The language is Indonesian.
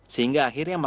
sehingga akhirnya magma